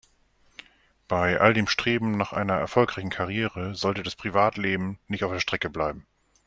Bei all dem Streben nach einer erfolgreichen Karriere sollte das Privatleben nicht auf der Strecke bleiben.